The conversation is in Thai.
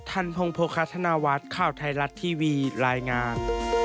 ทันพงโภคาธนวัฒน์ข่าวไทยรัฐทีวีรายงาน